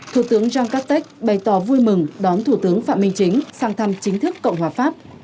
thủ tướng jangkatech bày tỏ vui mừng đón thủ tướng phạm minh chính sang thăm chính thức cộng hòa pháp